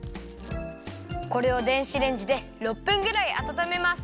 これを電子レンジで６分ぐらいあたためます。